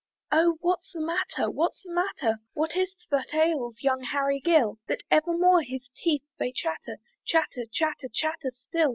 Oh! what's the matter? what's the matter? What is't that ails young Harry Gill? That evermore his teeth they chatter, Chatter, chatter, chatter still.